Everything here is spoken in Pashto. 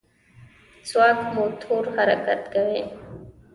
ځواک موټور حرکت کوي.